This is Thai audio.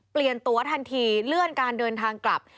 เปลี่ยนตัวทันทีเลื่อนการเดินทางกลับ